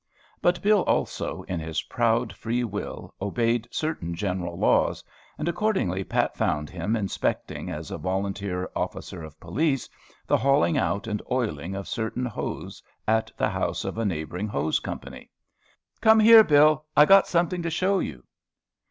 But Bill also, in his proud free will, obeyed certain general laws; and accordingly Pat found him inspecting, as a volunteer officer of police, the hauling out and oiling of certain hose at the house of a neighboring hose company. "Come here, Bill. I got something to show you."